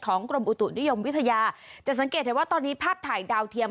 กรมอุตุนิยมวิทยาจะสังเกตเห็นว่าตอนนี้ภาพถ่ายดาวเทียม